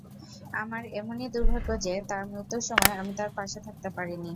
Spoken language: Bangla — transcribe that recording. আমার এমনই দুর্ভাগ্য যে, তার মৃত্যুর সময় আমি তার পাশে থাকতে পারিনি।